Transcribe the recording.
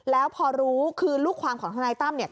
แล้วพอรู้คือลูกความของทนายตั้มเนี่ย